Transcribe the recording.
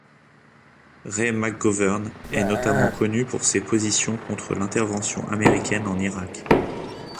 Ray McGovern est notamment connu pour ses positions contre l'intervention américaine en Irak.